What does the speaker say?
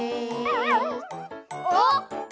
あっ！